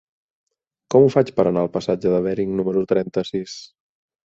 Com ho faig per anar al passatge de Bering número trenta-sis?